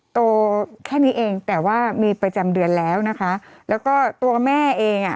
โตแค่นี้เองแต่ว่ามีประจำเดือนแล้วนะคะแล้วก็ตัวแม่เองอ่ะ